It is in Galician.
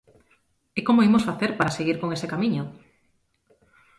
¿E como imos facer para seguir con ese camiño?